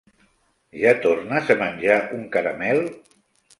Ja tornes a menjar un caramel?